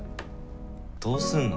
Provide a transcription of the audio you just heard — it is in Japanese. どうすんの？